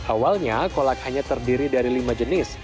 awalnya kolak hanya terdiri dari lima jenis